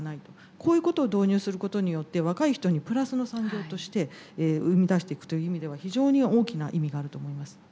こういうことを導入することによって若い人にプラスの産業として生み出していくという意味では非常に大きな意味があると思います。